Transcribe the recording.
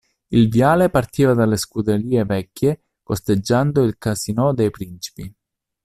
Il viale partiva dalle Scuderie Vecchie costeggiando il Casino dei Principi.